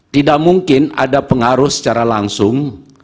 tidak mungkin ada pengaruh secara langsung